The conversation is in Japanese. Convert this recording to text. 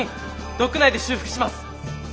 ドック内で修復します。